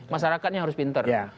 masyarakatnya harus pintar